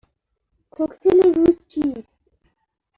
کوکتل روز چیست؟